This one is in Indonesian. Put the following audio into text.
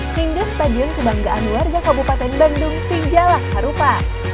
hingga stadion kebanggaan warga kabupaten bandung tijalah harupa